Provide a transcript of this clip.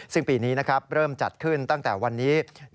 ซึ่งปีนี้เริ่มจัดขึ้นตั้งแต่วันนี้